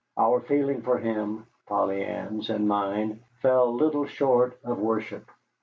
Our feeling for him (Polly Ann's and mine) fell little short of worship.